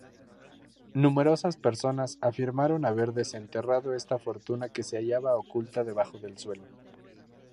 Numerosas personas afirmaron haber desenterrado esta fortuna que se hallaba oculta bajo el suelo.